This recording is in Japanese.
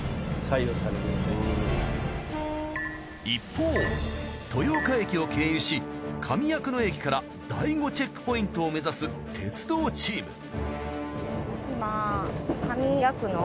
一方豊岡駅を経由し上夜久野駅から第５チェックポイントを目指す鉄道チーム。